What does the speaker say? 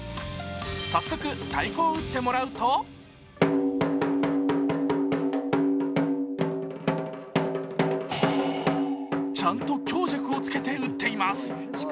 早速、太鼓を打ってもらうとちゃんと強弱をつけて打っています。